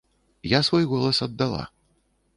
Я свой голас аддала.